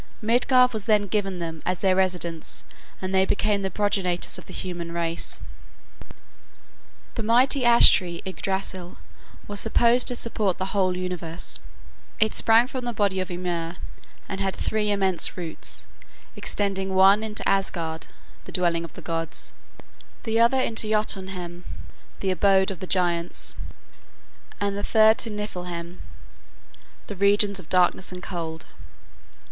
Midgard was then given them as their residence, and they became the progenitors of the human race. The mighty ash tree Ygdrasill was supposed to support the whole universe. It sprang from the body of Ymir, and had three immense roots, extending one into Asgard (the dwelling of the gods), the other into Jotunheim (the abode of the giants), and the third to Niffleheim (the regions of darkness and cold).